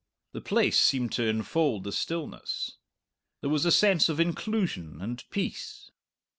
The place seemed to enfold the stillness. There was a sense of inclusion and peace.